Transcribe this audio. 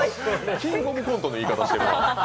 「キングオブコント」の言い方してるなぁ。